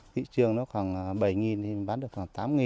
thị trường nó khoảng bảy thì bán được khoảng tám